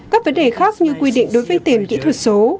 các vấn đề khác như quy định đối với tiền kỹ thuật số